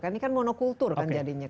ini kan monokultur kan jadinya